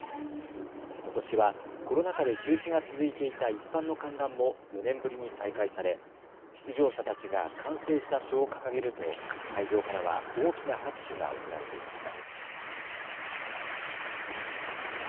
ことしはコロナ禍で中止が続いていた一般の観覧も４年ぶりに再開され出場者たちが完成した書を掲げると会場からは大きな拍手が送られていました。